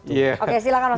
oke silahkan mas umam